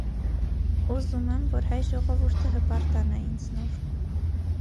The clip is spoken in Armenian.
Ուզում եմ, որ հայ ժողովուրդը հպարտանա ինձնով։